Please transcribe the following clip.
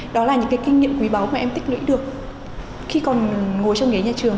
đó là những cái kinh nghiệm quý báu mà em tích lũy được khi còn ngồi trong ghế nhà trường